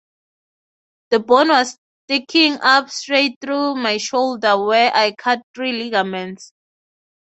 The bone was sticking up straight through my shoulder where I cut three ligaments.